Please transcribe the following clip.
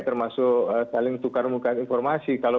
termasuk saling tukar muka informasi